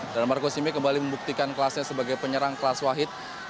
dan marco supersimic kembali membuktikan kelasnya sebagai penyerang kelas wahid